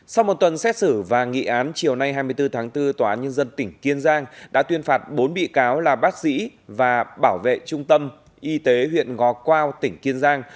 sau một tuần xét xử và nghị án chiều nay hai mươi bốn tháng bốn tòa án nhân dân tỉnh kiên giang đã tuyên phạt bốn bị cáo là bác sĩ và bảo vệ trung tâm y tế huyện ngò quao tỉnh kiên giang